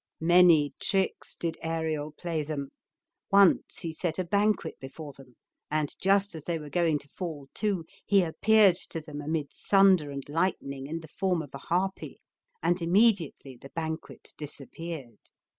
Many tricks did Ariel play them. Once he set a banquet before them, and just as they were going to fall to, he appeared to them amid thunder and lightning in the form of a harpy, and immedi ately the banquet disappeared.